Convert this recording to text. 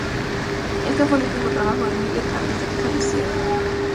Este fue el último trabajo de Millet antes de que falleciera.